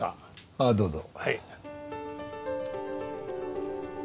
ああどうぞ。